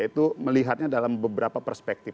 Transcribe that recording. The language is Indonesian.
itu melihatnya dalam beberapa perspektif